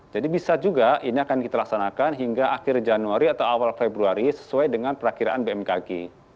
jadi bisa juga ini akan kita laksanakan hingga akhir januari atau awal februari sesuai dengan perakhiran bmkg